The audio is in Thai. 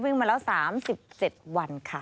วิ่งมาแล้ว๓๗วันค่ะ